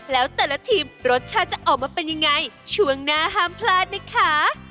แล้วแต่ละทีมรสชาติจะออกมาเป็นยังไงช่วงหน้าห้ามพลาดนะคะ